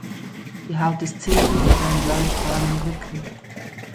Die Haut ist silbrig mit einem bläulich-braunen Rücken.